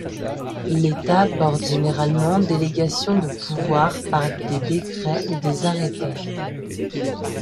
L’État porte généralement délégation de pouvoirs par des décrets ou des arrêtés.